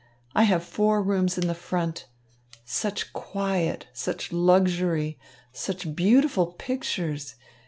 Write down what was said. I have four rooms in the front. Such quiet, such luxury, such beautiful pictures!